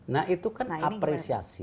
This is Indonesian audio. nah itu kan apresiasi